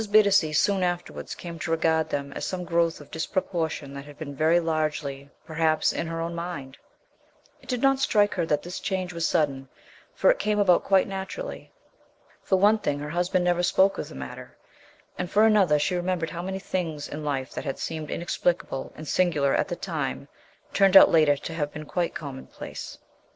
Bittacy soon afterwards came to regard them as some growth of disproportion that had been very largely, perhaps, in her own mind. It did not strike her that this change was sudden for it came about quite naturally. For one thing her husband never spoke of the matter, and for another she remembered how many things in life that had seemed inexplicable and singular at the time turned out later to have been quite commonplace.